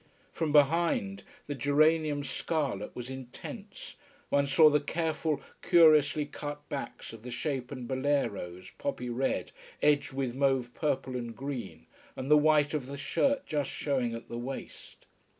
From behind, the geranium scarlet was intense, one saw the careful, curiously cut backs of the shapen boleros, poppy red, edged with mauve purple and green, and the white of the shirt just showing at the waist.